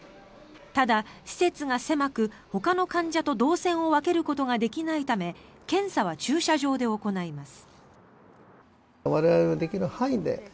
ただ、施設が狭く、ほかの患者と動線を分けることができないため検査は駐車場で行います。